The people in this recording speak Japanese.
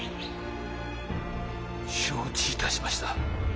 承知いたしました。